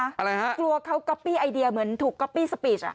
อะไรฮะกลัวเขาก็พี่ไอเดียเหมือนถูกก็พี่สปีชอ่ะ